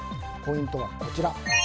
ポイントはこちら。